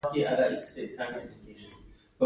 یا دا چې هغه ملا نه وای.